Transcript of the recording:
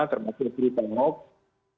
termasuk berita nol